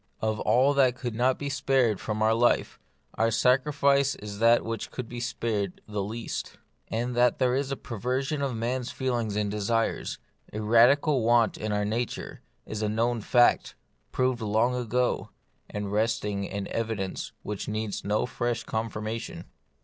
Of all that could not be spared from our life, our sacrifice is that which could be spared the least. And that there is a perversion of man's feelings and desires, a radical want in our na ture, is a known fact, proved long ago, and resting on evidence which needs no fresh con firmation.